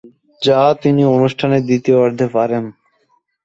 যা তিনি অনুষ্ঠানের দ্বিতীয়ার্ধে পরেন।